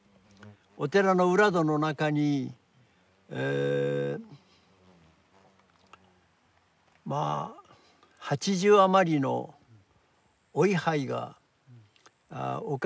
お寺の裏戸の中にまあ８０余りのお位牌が置かれてありましたけどね。